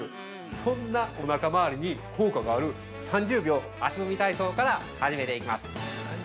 そんなおなか周りに効果がある３０秒足踏み体操から始めていきます。